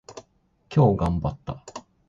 今日頑張った。